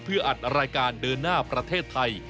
เพื่ออัดรายการเดินหน้าประเทศไทย